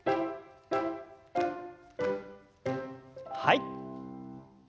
はい。